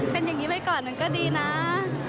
เป็นอย่างนี้ไปก่อนมันก็ดีนะ